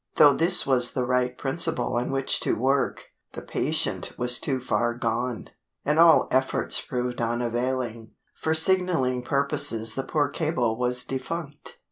Though this was the right principle on which to work, the "patient" was too far gone, and all efforts proved unavailing; for signaling purposes the poor cable was defunct.